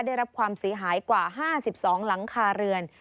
ได้รับความเสียหายกว่า๕๒หลังคาเรือน